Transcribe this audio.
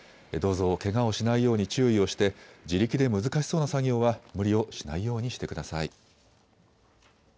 どうぞけがをしないように注意をして自力で難しそうな作業は無理をしないようにしてください。